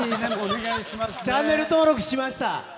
チャンネル登録しました。